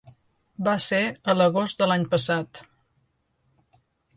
Va ser a l’agost de l’any passat.